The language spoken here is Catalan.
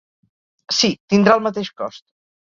Sí, tindrà el mateix cost.